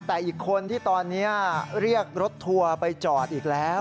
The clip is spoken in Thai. แต่อีกคนที่ตอนนี้เรียกรถทัวร์ไปจอดอีกแล้ว